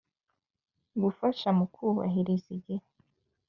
Gufasha mu kubahiriza igihe.